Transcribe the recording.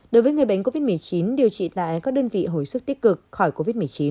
đối với người bệnh covid một mươi chín điều trị tại các đơn vị hồi sức tích cực khỏi covid một mươi chín